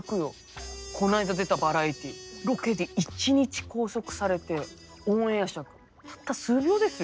この間出たバラエティロケで一日拘束されてオンエア尺たった数秒ですよ。